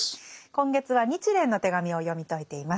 今月は「日蓮の手紙」を読み解いています。